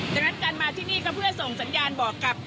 ดังนั้นการมาที่นี่ก็เพื่อส่งสัญญาณบอกกับ